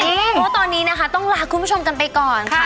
เพราะว่าตอนนี้นะคะต้องลาคุณผู้ชมกันไปก่อนค่ะ